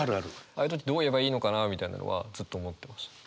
ああいう時どう言えばいいのかなみたいなのはずっと思ってました。